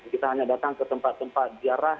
kita hanya datang ke tempat tempat ziarah